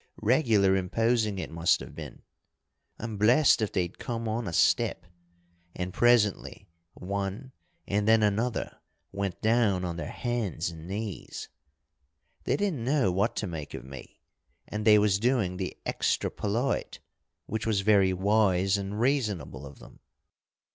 Regular imposing it must have been. I'm blessed if they'd come on a step; and presently one and then another went down on their hands and knees. They didn't know what to make of me, and they was doing the extra polite, which was very wise and reasonable of them.